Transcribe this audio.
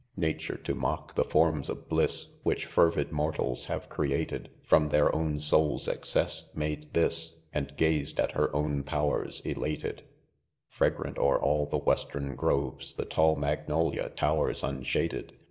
Nature, to mock the forms of bliss Which fervid mortals have created,, From their own soul's excess, made this 3 ~ And gazed at her own powers elated* Fragrant 'o'er all the western groves The tall magnolia towers unshaded.